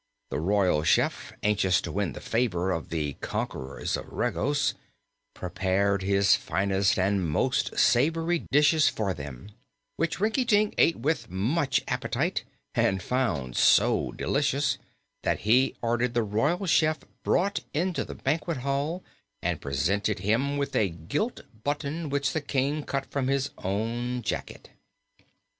The royal chef, anxious to win the favor of the conquerors of Regos, prepared his finest and most savory dishes for them, which Rinkitink ate with much appetite and found so delicious that he ordered the royal chef brought into the banquet hall and presented him with a gilt button which the King cut from his own jacket.